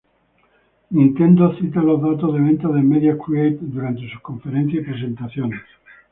Nintendo cita los datos de ventas de "Media Create" durante sus conferencias y presentaciones.